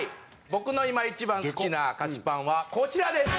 僕の今一番好きな菓子パンはこちらです！